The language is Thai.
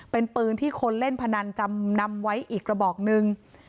เป็นปืนที่คนเล่นพนันจำนำไว้อีกระบอกนึง